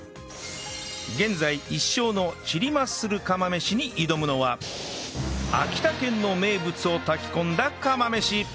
現在１勝のチリマッスル釜飯に挑むのは秋田県の名物を炊き込んだ釜飯